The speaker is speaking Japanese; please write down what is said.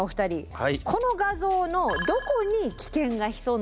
はい。